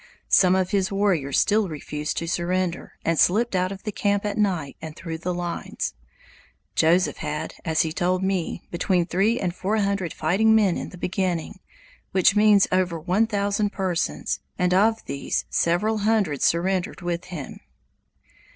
Some of his warriors still refused to surrender and slipped out of the camp at night and through the lines. Joseph had, as he told me, between three and four hundred fighting men in the beginning, which means over one thousand persons, and of these several hundred surrendered with him.